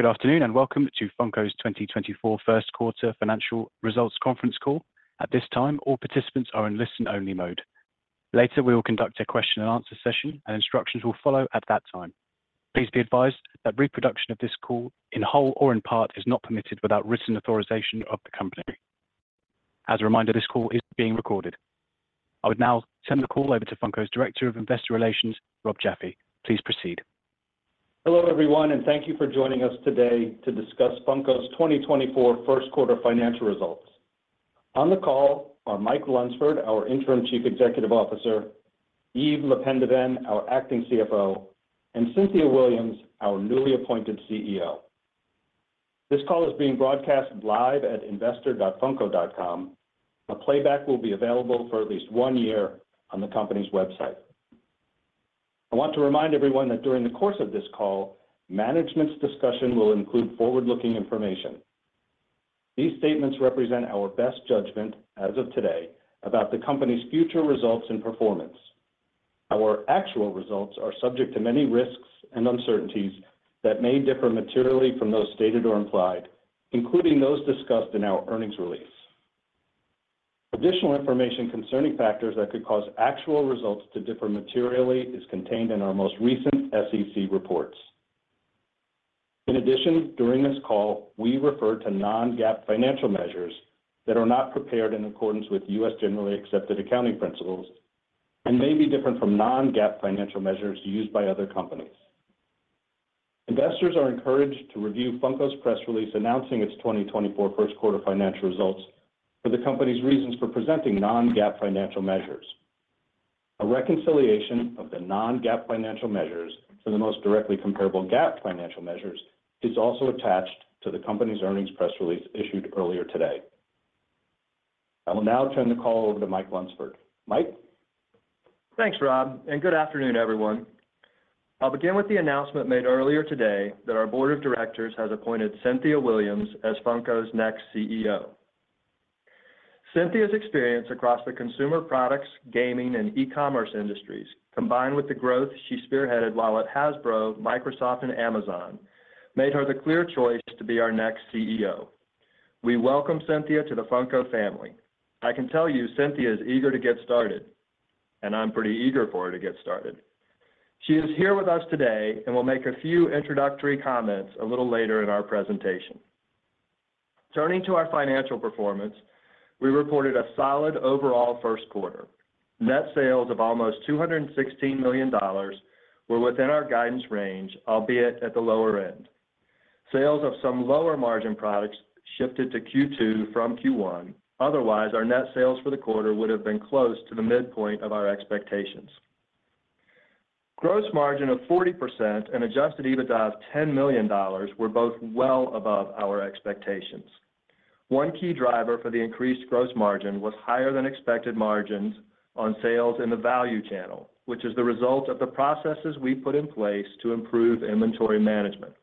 Good afternoon and welcome to Funko's 2024 First Quarter Financial Results Conference Call. At this time, all participants are in listen-only mode. Later, we will conduct a question-and-answer session, and instructions will follow at that time. Please be advised that reproduction of this call in whole or in part is not permitted without written authorization of the company. As a reminder, this call is being recorded. I would now turn the call over to Funko's Director of Investor Relations, Rob Jaffe. Please proceed. Hello everyone, and thank you for joining us today to discuss Funko's 2024 First Quarter Financial Results. On the call are Mike Lunsford, our Interim Chief Executive Officer; Yves Le Pendeven, our Acting CFO; and Cynthia Williams, our newly appointed CEO. This call is being broadcast live at investor.funko.com. A playback will be available for at least one year on the company's website. I want to remind everyone that during the course of this call, management's discussion will include forward-looking information. These statements represent our best judgment as of today about the company's future results and performance. Our actual results are subject to many risks and uncertainties that may differ materially from those stated or implied, including those discussed in our earnings release. Additional information concerning factors that could cause actual results to differ materially is contained in our most recent SEC reports. In addition, during this call, we refer to non-GAAP financial measures that are not prepared in accordance with U.S. generally accepted accounting principles and may be different from non-GAAP financial measures used by other companies. Investors are encouraged to review Funko's press release announcing its 2024 First Quarter Financial Results for the company's reasons for presenting non-GAAP financial measures. A reconciliation of the non-GAAP financial measures to the most directly comparable GAAP financial measures is also attached to the company's earnings press release issued earlier today. I will now turn the call over to Mike Lunsford. Mike? Thanks, Rob, and good afternoon, everyone. I'll begin with the announcement made earlier today that our Board of Directors has appointed Cynthia Williams as Funko's next CEO. Cynthia's experience across the consumer products, gaming, and e-commerce industries, combined with the growth she spearheaded while at Hasbro, Microsoft, and Amazon, made her the clear choice to be our next CEO. We welcome Cynthia to the Funko family. I can tell you Cynthia is eager to get started, and I'm pretty eager for her to get started. She is here with us today and will make a few introductory comments a little later in our presentation. Turning to our financial performance, we reported a solid overall first quarter. Net sales of almost $216 million were within our guidance range, albeit at the lower end. Sales of some lower margin products shifted to Q2 from Q1. Otherwise, our net sales for the quarter would have been close to the midpoint of our expectations. Gross margin of 40% and Adjusted EBITDA of $10 million were both well above our expectations. One key driver for the increased gross margin was higher-than-expected margins on sales in the value channel, which is the result of the processes we put in place to improve inventory management.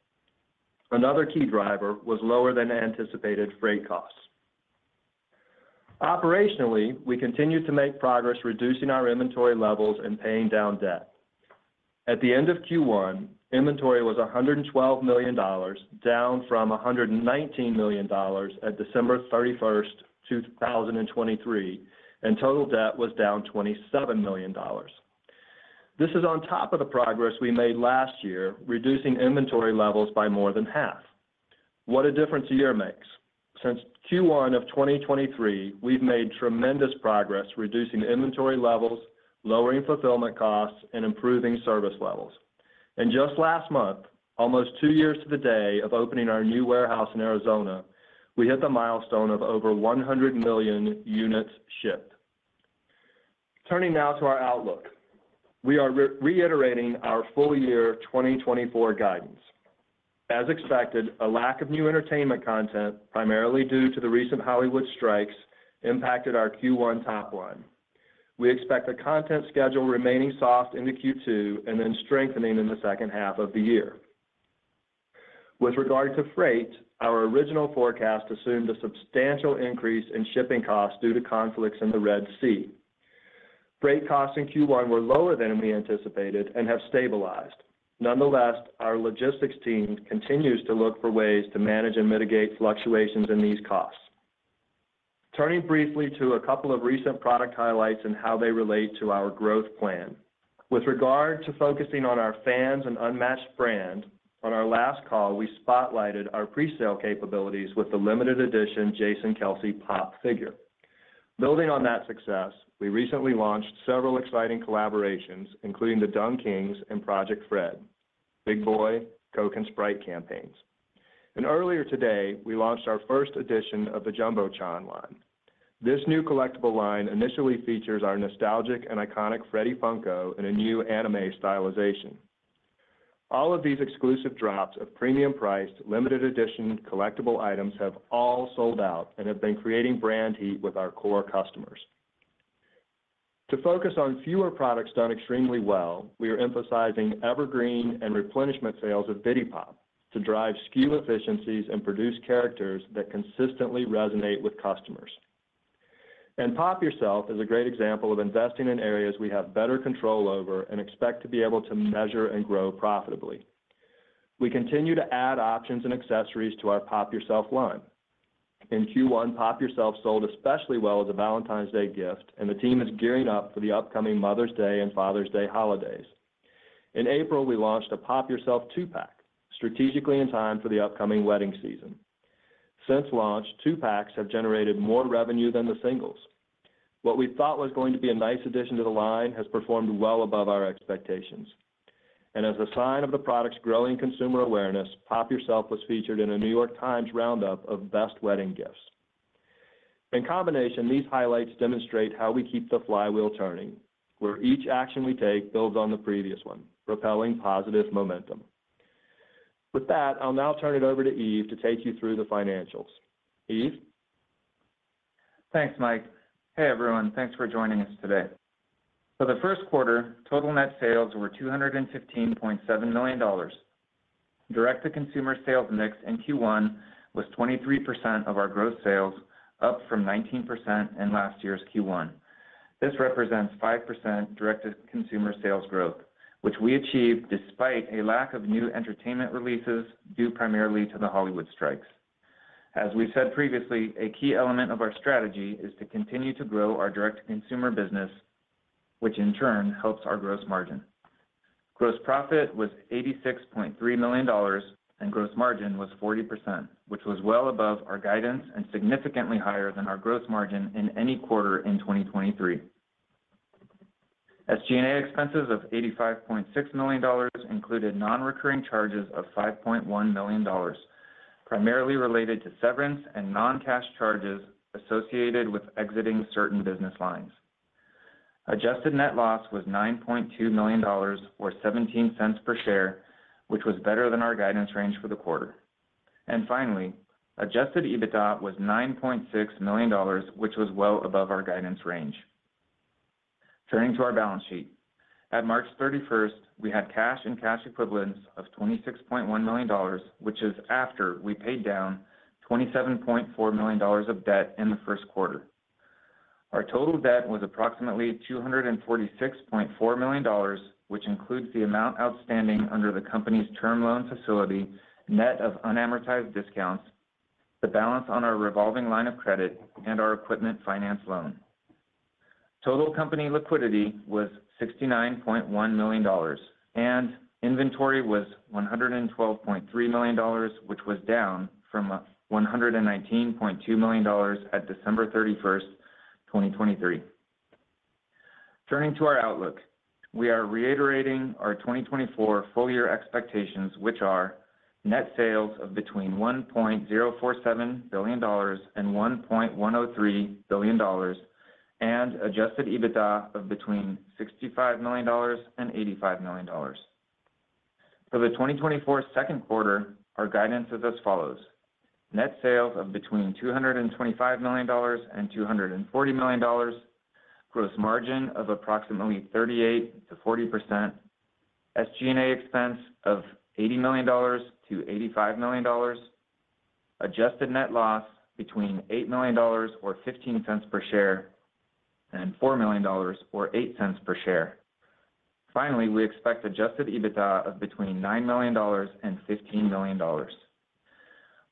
Another key driver was lower-than-anticipated freight costs. Operationally, we continue to make progress reducing our inventory levels and paying down debt. At the end of Q1, inventory was $112 million, down from $119 million at December 31st, 2023, and total debt was down $27 million. This is on top of the progress we made last year, reducing inventory levels by more than half. What a difference a year makes. Since Q1 of 2023, we've made tremendous progress reducing inventory levels, lowering fulfillment costs, and improving service levels. Just last month, almost two years to the day of opening our new warehouse in Arizona, we hit the milestone of over 100 million units shipped. Turning now to our outlook. We are reiterating our full-year 2024 guidance. As expected, a lack of new entertainment content, primarily due to the recent Hollywood strikes, impacted our Q1 topline. We expect the content schedule remaining soft in the Q2 and then strengthening in the second half of the year. With regard to freight, our original forecast assumed a substantial increase in shipping costs due to conflicts in the Red Sea. Freight costs in Q1 were lower than we anticipated and have stabilized. Nonetheless, our logistics team continues to look for ways to manage and mitigate fluctuations in these costs. Turning briefly to a couple of recent product highlights and how they relate to our growth plan. With regard to focusing on our fans and unmatched brand, on our last call we spotlighted our presale capabilities with the limited edition Jason Kelce Pop! figure. Building on that success, we recently launched several exciting collaborations, including the DunKings and Project Fred: Big Boy, Coke, and Sprite campaigns. And earlier today, we launched our first edition of the Jumbo Chan line. This new collectible line initially features our nostalgic and iconic Freddy Funko in a new anime stylization. All of these exclusive drops of premium-priced, limited edition, collectible items have all sold out and have been creating brand heat with our core customers. To focus on fewer products done extremely well, we are emphasizing evergreen and replenishment sales of Bitty Pop! to drive SKU efficiencies and produce characters that consistently resonate with customers. Pop! Yourself is a great example of investing in areas we have better control over and expect to be able to measure and grow profitably. We continue to add options and accessories to our Pop! Yourself line. In Q1, Pop! Yourself sold especially well as a Valentine's Day gift, and the team is gearing up for the upcoming Mother's Day and Father's Day holidays. In April, we launched a Pop! Yourself two-pack, strategically in time for the upcoming wedding season. Since launch, two-packs have generated more revenue than the singles. What we thought was going to be a nice addition to the line has performed well above our expectations. As a sign of the product's growing consumer awareness, Pop! Yourself was featured in a New York Times roundup of best wedding gifts. In combination, these highlights demonstrate how we keep the flywheel turning, where each action we take builds on the previous one, propelling positive momentum. With that, I'll now turn it over to Yves to take you through the financials. Yves? Thanks, Mike. Hey everyone, thanks for joining us today. For the first quarter, total net sales were $215.7 million. Direct-to-consumer sales mix in Q1 was 23% of our gross sales, up from 19% in last year's Q1. This represents 5% direct-to-consumer sales growth, which we achieved despite a lack of new entertainment releases due primarily to the Hollywood strikes. As we've said previously, a key element of our strategy is to continue to grow our direct-to-consumer business, which in turn helps our gross margin. Gross profit was $86.3 million, and gross margin was 40%, which was well above our guidance and significantly higher than our gross margin in any quarter in 2023. SG&A expenses of $85.6 million included non-recurring charges of $5.1 million, primarily related to severance and non-cash charges associated with exiting certain business lines. Adjusted net loss was $9.2 million or $0.17 per share, which was better than our guidance range for the quarter. Finally, adjusted EBITDA was $9.6 million, which was well above our guidance range. Turning to our balance sheet. At March 31st, we had cash and cash equivalents of $26.1 million, which is after we paid down $27.4 million of debt in the first quarter. Our total debt was approximately $246.4 million, which includes the amount outstanding under the company's term loan facility, net of unamortized discounts, the balance on our revolving line of credit, and our equipment finance loan. Total company liquidity was $69.1 million, and inventory was $112.3 million, which was down from $119.2 million at December 31st, 2023. Turning to our outlook. We are reiterating our 2024 full-year expectations, which are net sales of between $1.047 billion-$1.103 billion, and Adjusted EBITDA of between $65 million-$85 million. For the 2024 second quarter, our guidance is as follows: net sales of between $225 million-$240 million, gross margin of approximately 38%-40%, SG&A expense of $80 million-$85 million, Adjusted net loss between $8 million or $0.15 per share and $4 million or $0.08 per share. Finally, we expect Adjusted EBITDA of between $9 million-$15 million.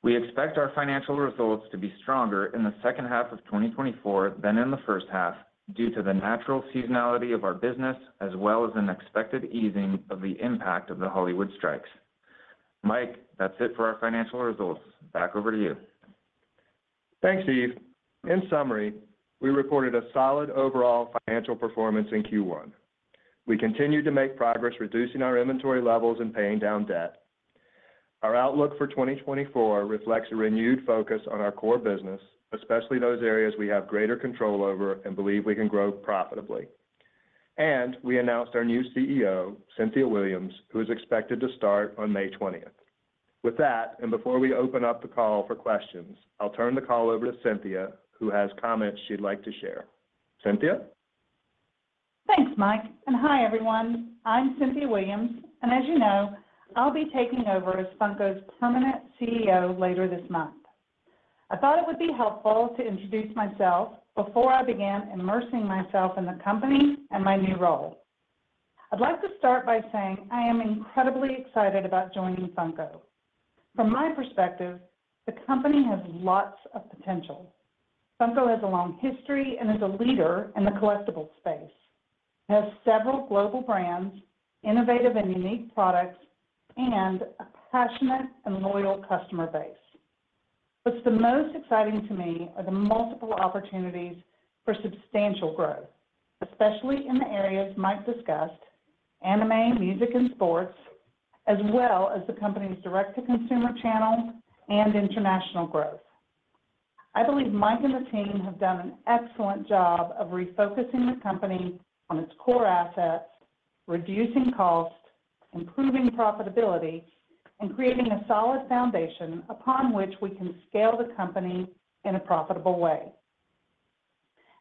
We expect our financial results to be stronger in the second half of 2024 than in the first half due to the natural seasonality of our business as well as an expected easing of the impact of the Hollywood strikes. Mike, that's it for our financial results. Back over to you. Thanks, Yves. In summary, we reported a solid overall financial performance in Q1. We continue to make progress reducing our inventory levels and paying down debt. Our outlook for 2024 reflects a renewed focus on our core business, especially those areas we have greater control over and believe we can grow profitably. We announced our new CEO, Cynthia Williams, who is expected to start on May 20th. With that, and before we open up the call for questions, I'll turn the call over to Cynthia, who has comments she'd like to share. Cynthia? Thanks, Mike. Hi everyone. I'm Cynthia Williams, and as you know, I'll be taking over as Funko's permanent CEO later this month. I thought it would be helpful to introduce myself before I began immersing myself in the company and my new role. I'd like to start by saying I am incredibly excited about joining Funko. From my perspective, the company has lots of potential. Funko has a long history and is a leader in the collectible space. It has several global brands, innovative and unique products, and a passionate and loyal customer base. What's the most exciting to me are the multiple opportunities for substantial growth, especially in the areas Mike discussed: anime, music, and sports, as well as the company's direct-to-consumer channel and international growth. I believe Mike and the team have done an excellent job of refocusing the company on its core assets, reducing costs, improving profitability, and creating a solid foundation upon which we can scale the company in a profitable way.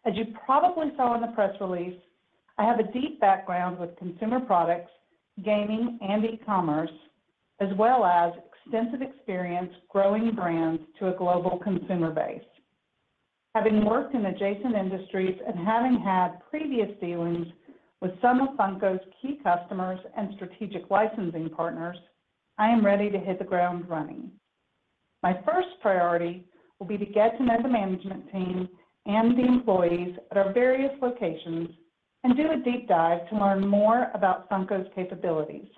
As you probably saw in the press release, I have a deep background with consumer products, gaming, and e-commerce, as well as extensive experience growing brands to a global consumer base. Having worked in adjacent industries and having had previous dealings with some of Funko's key customers and strategic licensing partners, I am ready to hit the ground running. My first priority will be to get to know the management team and the employees at our various locations and do a deep dive to learn more about Funko's capabilities.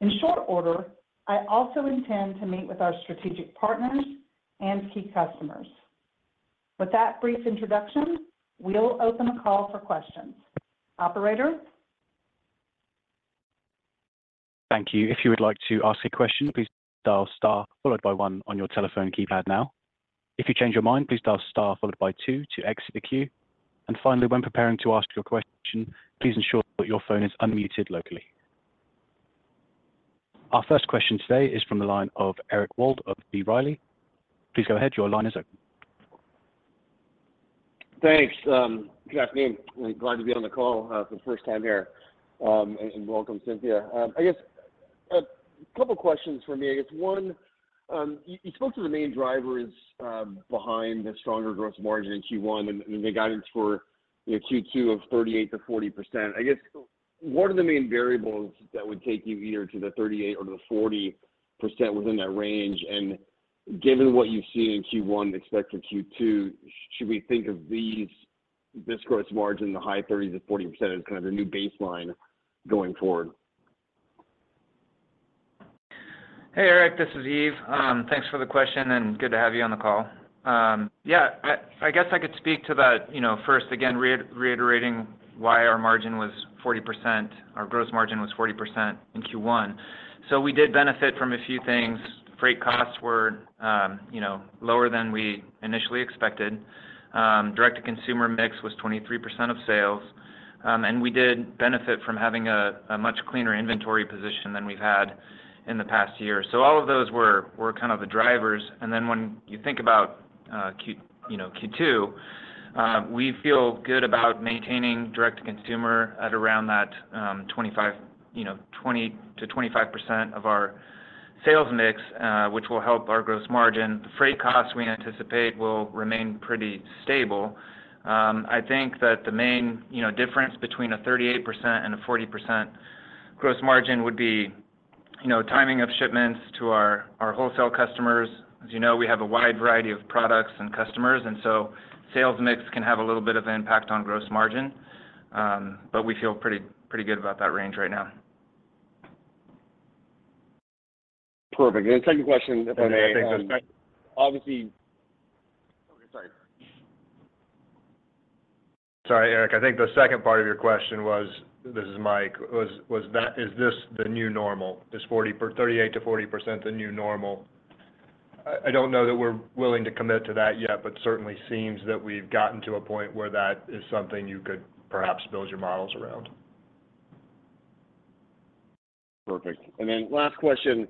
In short order, I also intend to meet with our strategic partners and key customers. With that brief introduction, we'll open the call for questions. Operator? Thank you. If you would like to ask a question, please dial * followed by 1 on your telephone keypad now. If you change your mind, please dial * followed by 2 to exit the queue. And finally, when preparing to ask your question, please ensure that your phone is unmuted locally. Our first question today is from the line of Eric Wold of B. Riley. Please go ahead, your line is open. Thanks. Good afternoon. Glad to be on the call for the first time here. Welcome, Cynthia. I guess a couple of questions for me. I guess one, you spoke to the main drivers behind the stronger gross margin in Q1 and the guidance for Q2 of 38%-40%. I guess what are the main variables that would take you either to the 38% or to the 40% within that range? Given what you've seen in Q1 and expect for Q2, should we think of this gross margin, the high 30s-40%, as kind of the new baseline going forward? Hey Eric, this is Yves. Thanks for the question, and good to have you on the call. Yeah, I guess I could speak to that first, again, reiterating why our margin was 40%, our gross margin was 40% in Q1. So we did benefit from a few things. Freight costs were lower than we initially expected. Direct-to-consumer mix was 23% of sales. And we did benefit from having a much cleaner inventory position than we've had in the past year. So all of those were kind of the drivers. And then when you think about Q2, we feel good about maintaining direct-to-consumer at around that 20%-25% of our sales mix, which will help our gross margin. The freight costs we anticipate will remain pretty stable. I think that the main difference between 38% and 40% gross margin would be timing of shipments to our wholesale customers. As you know, we have a wide variety of products and customers, and so sales mix can have a little bit of impact on gross margin. But we feel pretty good about that range right now. Perfect. The second question, if I may. Yeah, I think the second. Obviously. Okay, sorry. Sorry, Eric. I think the second part of your question was, this is Mike, is this the new normal? Is 38%-40% the new normal? I don't know that we're willing to commit to that yet, but certainly seems that we've gotten to a point where that is something you could perhaps build your models around. Perfect. And then last question.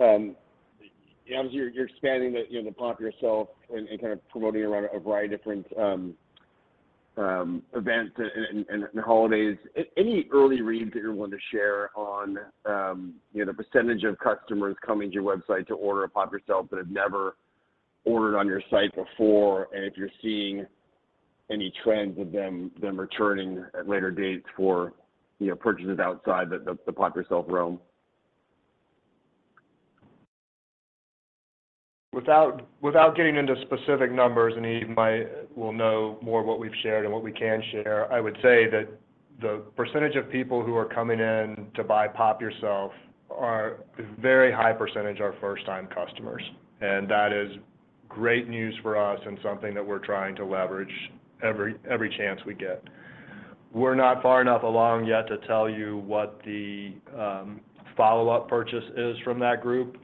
Obviously, you're expanding the Pop! Yourself and kind of promoting it around a variety of different events and holidays. Any early reads that you're willing to share on the percentage of customers coming to your website to order a Pop! Yourself that have never ordered on your site before, and if you're seeing any trends of them returning at later dates for purchases outside the Pop! Yourself realm? Without getting into specific numbers, and Yves might will know more what we've shared and what we can share, I would say that the percentage of people who are coming in to buy Pop! Yourself are a very high percentage are first-time customers. That is great news for us and something that we're trying to leverage every chance we get. We're not far enough along yet to tell you what the follow-up purchase is from that group.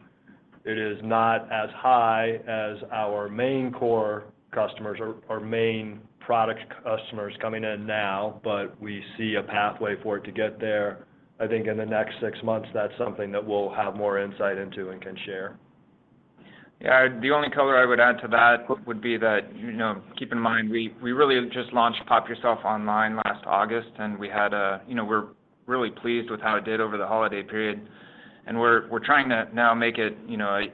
It is not as high as our main core customers, our main product customers coming in now, but we see a pathway for it to get there. I think in the next six months, that's something that we'll have more insight into and can share. Yeah, the only color I would add to that would be that keep in mind, we really just launched Pop! Yourself online last August, and we're really pleased with how it did over the holiday period. And we're trying to now make it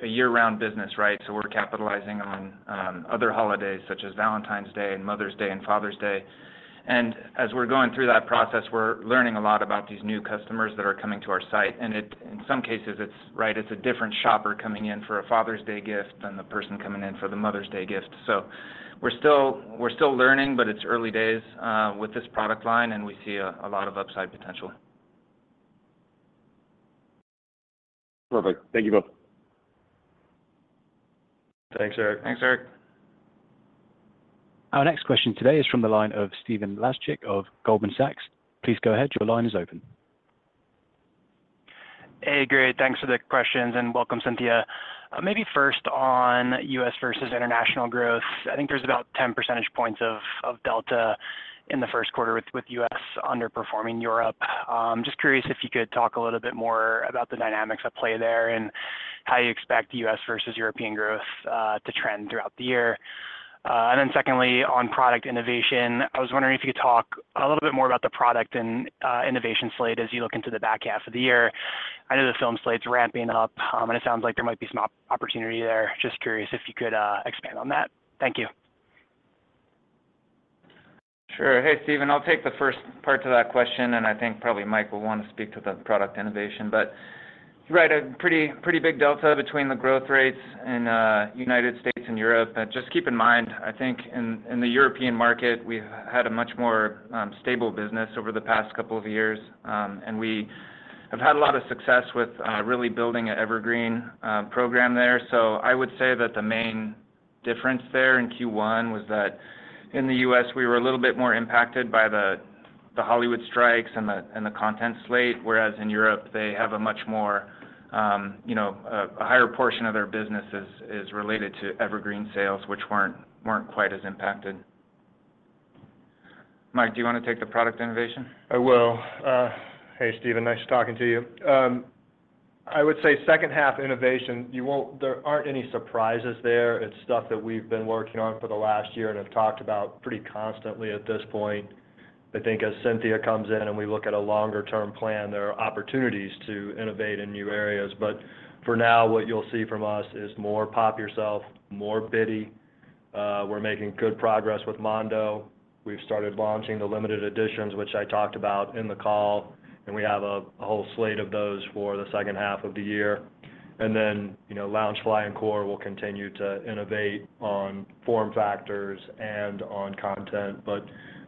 a year-round business, right? So we're capitalizing on other holidays such as Valentine's Day and Mother's Day and Father's Day. And as we're going through that process, we're learning a lot about these new customers that are coming to our site. And in some cases, it's right, it's a different shopper coming in for a Father's Day gift than the person coming in for the Mother's Day gift. So we're still learning, but it's early days with this product line, and we see a lot of upside potential. Perfect. Thank you both. Thanks, Eric. Thanks, Eric. Our next question today is from the line of Stephen Laszczyk of Goldman Sachs. Please go ahead, your line is open. Hey, great. Thanks for the questions, and welcome, Cynthia. Maybe first on U.S. versus international growth. I think there's about 10 percentage points of delta in the first quarter with U.S. underperforming Europe. I'm just curious if you could talk a little bit more about the dynamics at play there and how you expect U.S. versus European growth to trend throughout the year. And then secondly, on product innovation, I was wondering if you could talk a little bit more about the product and innovation slate as you look into the back half of the year. I know the film slate's ramping up, and it sounds like there might be some opportunity there. Just curious if you could expand on that. Thank you. Sure. Hey, Steven, I'll take the first part to that question, and I think probably Mike will want to speak to the product innovation. But you're right, a pretty big delta between the growth rates in the United States and Europe. Just keep in mind, I think, in the European market, we've had a much more stable business over the past couple of years. And we have had a lot of success with really building an evergreen program there. So I would say that the main difference there in Q1 was that in the U.S., we were a little bit more impacted by the Hollywood strikes and the content slate, whereas in Europe, they have a much more a higher portion of their business is related to evergreen sales, which weren't quite as impacted. Mike, do you want to take the product innovation? I will. Hey, Steven, nice talking to you. I would say second half innovation, there aren't any surprises there. It's stuff that we've been working on for the last year and have talked about pretty constantly at this point. I think as Cynthia comes in and we look at a longer-term plan, there are opportunities to innovate in new areas. But for now, what you'll see from us is more Pop! Yourself, more Bitty. We're making good progress with Mondo. We've started launching the limited editions, which I talked about in the call, and we have a whole slate of those for the second half of the year. And then Loungefly and core will continue to innovate on form factors and on content. But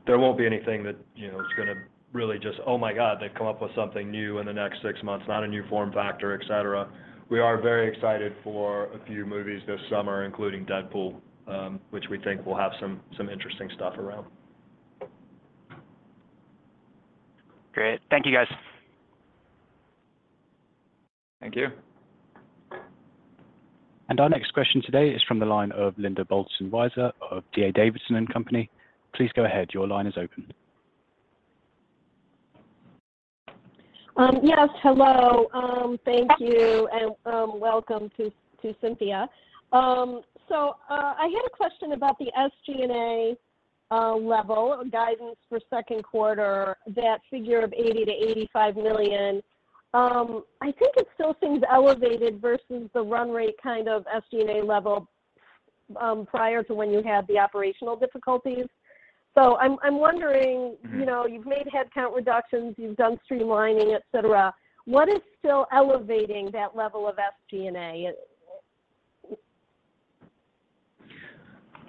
there won't be anything that's going to really just, "Oh my God, they've come up with something new in the next six months, not a new form factor," etc. We are very excited for a few movies this summer, including Deadpool, which we think will have some interesting stuff around. Great. Thank you, guys. Thank you. Our next question today is from the line of Linda Bolton Weiser of D.A. Davidson & Company. Please go ahead, your line is open. Yes, hello. Thank you, and welcome to Cynthia. So I had a question about the SG&A level, guidance for second quarter, that figure of $80 million-$85 million. I think it still seems elevated versus the run rate kind of SG&A level prior to when you had the operational difficulties. So I'm wondering, you've made headcount reductions, you've done streamlining, etc. What is still elevating that level of SG&A?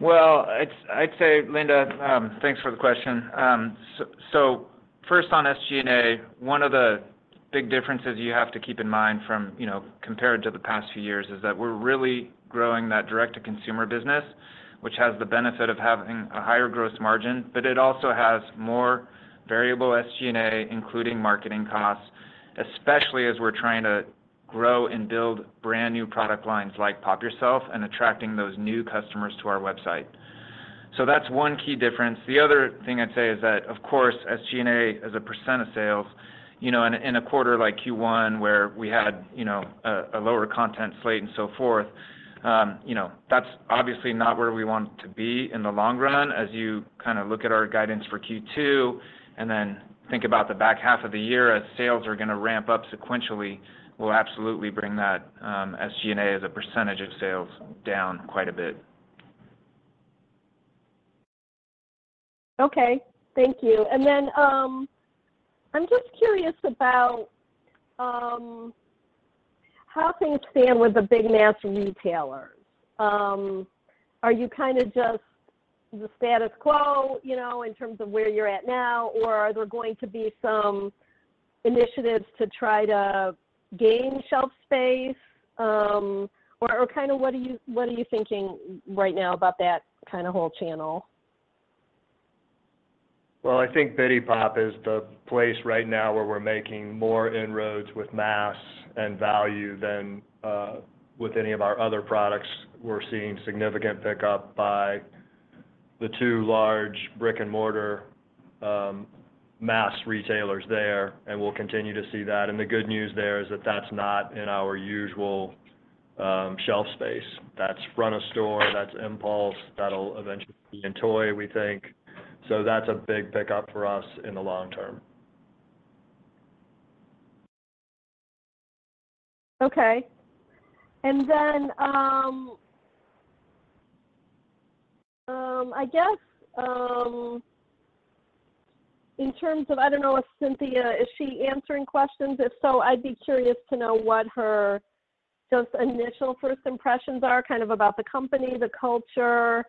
Well, I'd say, Linda, thanks for the question. So first on SG&A, one of the big differences you have to keep in mind compared to the past few years is that we're really growing that direct-to-consumer business, which has the benefit of having a higher gross margin, but it also has more variable SG&A, including marketing costs, especially as we're trying to grow and build brand new product lines like Pop! Yourself and attracting those new customers to our website. So that's one key difference. The other thing I'd say is that, of course, SG&A as a % of sales, in a quarter like Q1 where we had a lower content slate and so forth, that's obviously not where we want to be in the long run. As you kind of look at our guidance for Q2 and then think about the back half of the year as sales are going to ramp up sequentially, we'll absolutely bring that SG&A as a percentage of sales down quite a bit. Okay. Thank you. And then I'm just curious about how things stand with the big mass retailers. Are you kind of just the status quo in terms of where you're at now, or are there going to be some initiatives to try to gain shelf space? Or kind of what are you thinking right now about that kind of whole channel? Well, I think Bitty Pop! is the place right now where we're making more inroads with mass and value than with any of our other products. We're seeing significant pickup by the two large brick-and-mortar mass retailers there, and we'll continue to see that. The good news there is that that's not in our usual shelf space. That's Front of Store. That's Impulse. That'll eventually be in Toy, we think. So that's a big pickup for us in the long term. Okay. And then I guess in terms of, I don't know if Cynthia is she answering questions. If so, I'd be curious to know what her just initial first impressions are kind of about the company, the culture,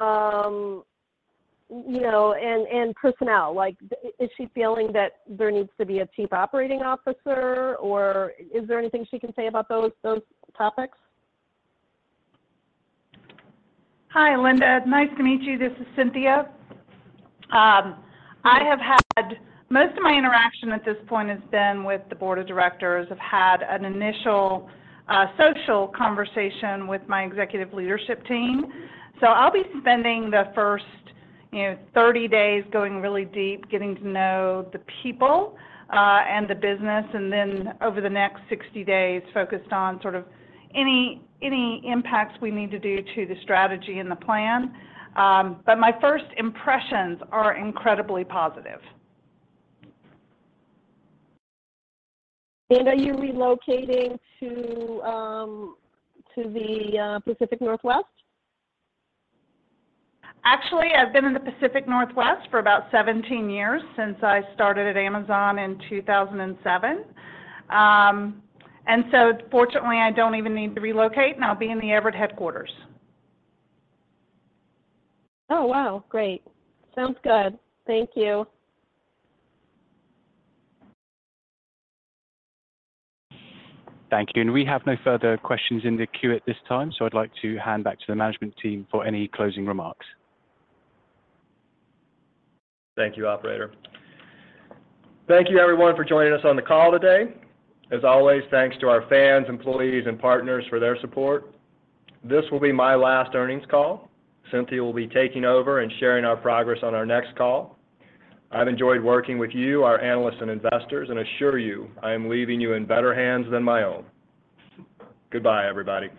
and personnel. Is she feeling that there needs to be a chief operating officer, or is there anything she can say about those topics? Hi, Linda. Nice to meet you. This is Cynthia. Most of my interaction at this point has been with the board of directors. I've had an initial social conversation with my executive leadership team. So I'll be spending the first 30 days going really deep, getting to know the people and the business, and then over the next 60 days, focused on sort of any impacts we need to do to the strategy and the plan. But my first impressions are incredibly positive. Are you relocating to the Pacific Northwest? Actually, I've been in the Pacific Northwest for about 17 years since I started at Amazon in 2007. And so fortunately, I don't even need to relocate, and I'll be in the Everett headquarters. Oh, wow. Great. Sounds good. Thank you. Thank you. We have no further questions in the queue at this time, so I'd like to hand back to the management team for any closing remarks. Thank you, operator. Thank you, everyone, for joining us on the call today. As always, thanks to our fans, employees, and partners for their support. This will be my last earnings call. Cynthia will be taking over and sharing our progress on our next call. I've enjoyed working with you, our analysts and investors, and assure you, I am leaving you in better hands than my own. Goodbye, everybody.